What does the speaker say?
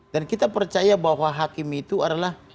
dan kita percaya bahwa hakim itu adalah